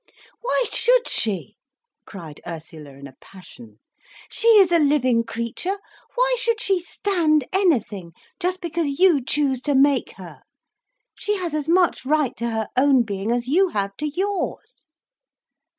"Why should she?" cried Ursula in a passion. "She is a living creature, why should she stand anything, just because you choose to make her? She has as much right to her own being, as you have to yours."